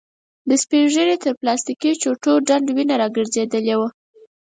د سپين ږيري تر پلاستيکې چوټو ډنډ وينه را ګرځېدلې وه.